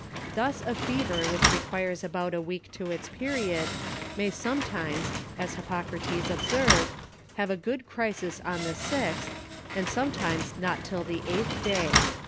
Thus a Fever which requires about a Week to its Period, may sometimes, as Hippocrates observed, have a good Crisis on the sixth, and sometimes not till the eighth day.